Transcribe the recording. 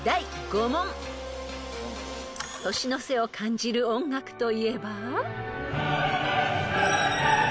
［年の瀬を感じる音楽といえば］